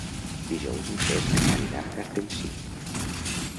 Dijous en Cesc anirà a Castellcir.